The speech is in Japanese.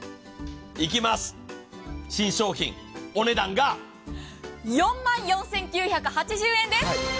いきます、新商品、お値段が４万４９８０円です。